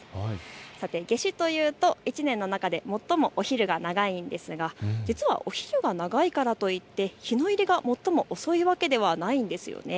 さて、夏至というと１年の中で最もお昼が長いんですが実はお昼長いからといって日の入りが最も遅いわけではないんです。